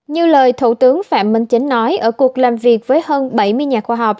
như lời thủ tướng phạm minh chính nói ở cuộc làm việc với hơn bảy mươi nhà khoa học